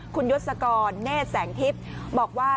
คุณยศกรเนธแสงทิพย์บอกว่า